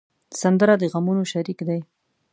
سندره د غمونو شریک دی